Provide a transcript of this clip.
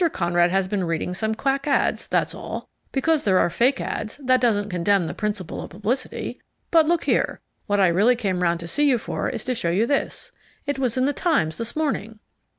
Conrad has been reading some quack ads, that's all. Because there are fake ads, that doesn't condemn the principle of Publicity. But look here, what I really came round to see you for is to show you this. It was in the Times this morning."